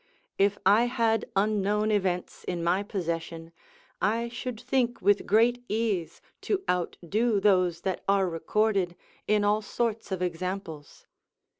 If I had unknown events in my possession, I should think with great ease to out do those that are recorded, in all sorts of examples.